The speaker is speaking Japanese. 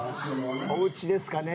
おうちですかね。